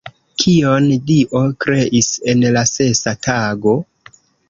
Kion Dio kreis en la sesa tago?